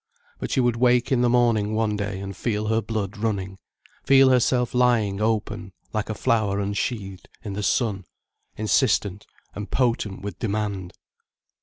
But she would wake in the morning one day and feel her blood running, feel herself lying open like a flower unsheathed in the sun, insistent and potent with demand.